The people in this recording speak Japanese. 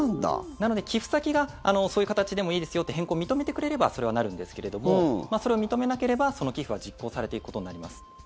なので寄付先がそういう形でもいいですよって変更を認めてくれればそれはなるんですけれどもそれを認めなければ、その寄付は実行されていくことになります。